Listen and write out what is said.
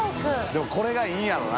でもこれがいいんやろな。